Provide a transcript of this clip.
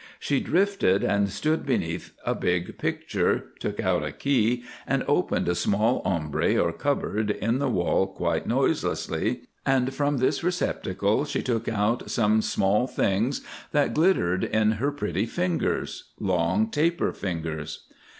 She drifted, and stood beneath a big picture, took out a key and opened a small aumbrey, or cupboard, in the wall quite noiselessly. And from this receptacle she took out some small things that glittered in her pretty fingers, long taper fingers."